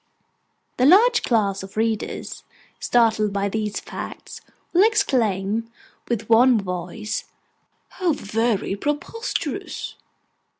The large class of readers, startled by these facts, will exclaim, with one voice, 'How very preposterous!